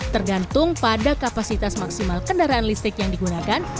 tergantung pada kapasitas maksimal kendaraan listrik yang digunakan